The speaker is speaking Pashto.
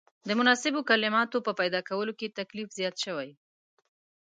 د مناسبو کلماتو په پیدا کولو کې تکلیف زیات شوی.